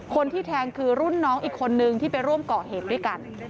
คนที่แทงคือรุ่นน้องอีกคนนึงที่ไปร่วมก่อเหตุด้วยกัน